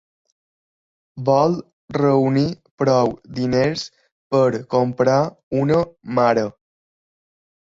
Vol reunir prou diners per ‘comprar’ una mare.